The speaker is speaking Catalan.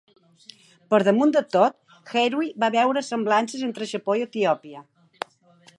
Per damunt de tot, Heruy va veure semblances entre Japó i Etiòpia.